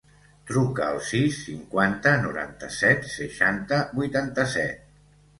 Truca al sis, cinquanta, noranta-set, seixanta, vuitanta-set.